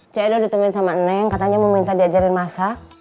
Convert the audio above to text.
cik edo ditemuin sama neng katanya mau minta diajarin masak